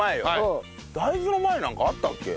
大豆の前なんかあったっけ？